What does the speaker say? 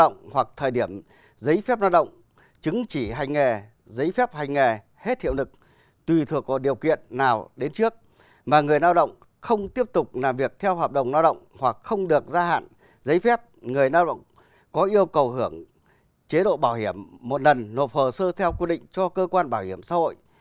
giấy phép lao động chứng chỉ hành nghề giấy phép hành nghề hết hiệu lực tùy thuộc có điều kiện nào đến trước mà người lao động không tiếp tục làm việc theo hợp đồng lao động hoặc không được gia hạn giấy phép người lao động có yêu cầu hưởng chế độ bảo hiểm một lần nộp hồ sơ theo quy định cho cơ quan bảo hiểm xã hội